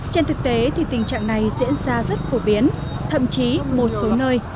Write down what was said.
trên thực tế thì tình trạng này diễn ra rất phổ biến thậm chí một số nơi